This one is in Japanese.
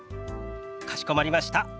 かしこまりました。